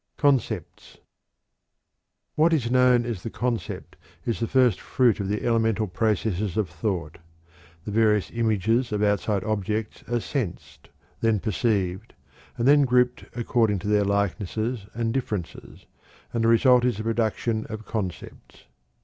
CONCEPTS. What is known as the "concept" is the first fruit of the elemental processes of thought. The various images of outside objects are sensed, then perceived, and then grouped according to their likenesses and differences, and the result is the production of concepts.